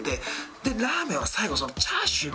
でラーメンは最後チャーシューの。